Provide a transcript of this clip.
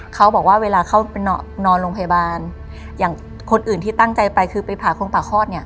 เขาบอกว่าเวลาเขานอนโรงพยาบาลอย่างคนอื่นที่ตั้งใจไปคือไปผ่าคนป่าคลอดเนี่ย